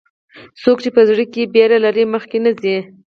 څوک چې په زړه کې ویره لري، مخکې نه ځي.